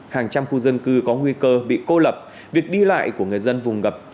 hàng trăm khu dân cư có nguy cơ bị cô lập việc đi lại của người dân vùng ngập